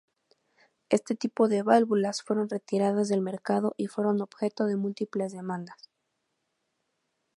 Este tipo de válvulas fueron retiradas del mercado y fueron objeto de múltiples demandas.